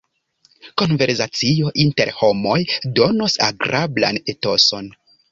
Konversacio inter homoj donos agrablan etoson.